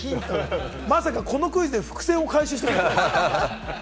まさかこのクイズで伏線を回収してるとは。